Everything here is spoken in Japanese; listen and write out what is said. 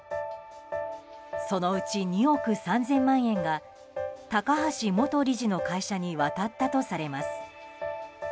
そのうち２億３０００万円が高橋元理事の会社に渡ったとされます。